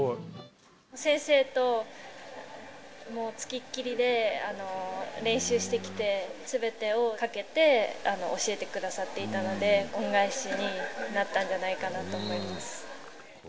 先生と、もう付きっきりで練習してきて、すべてをかけて教えてくださっていたので、恩返しになったんじゃないかなと思います。